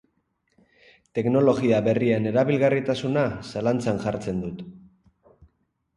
Teknologia berrien erabilgarritasuna zalantzan jartzen dut.